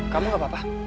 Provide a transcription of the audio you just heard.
kamu gak apa apa